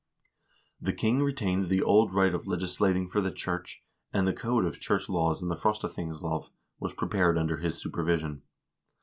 The king retained the old right of legislating for the church, and the code of church laws in the " Frostathingslov " was prepared under his supervision.